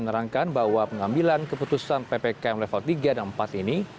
menerangkan bahwa pengambilan keputusan ppkm level tiga dan empat ini